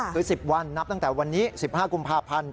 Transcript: คือ๑๐วันนับตั้งแต่วันนี้๑๕กุมภาพันธ์